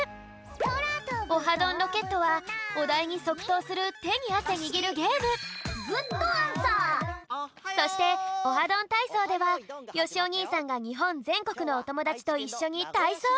「オハどんロケット」はおだいにそくとうするてにあせにぎるゲームそして「オハどんたいそう」ではよしおにいさんがにほんぜんこくのおともだちといっしょにたいそう！